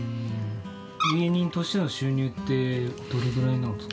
芸人としての収入ってどれぐらいになるんですか。